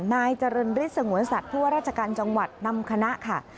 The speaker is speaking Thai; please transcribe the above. นายเจริญฤทธิ์สงวนสัตว์ผู้ว่าราชการจังหวัดนำคณะค่ะ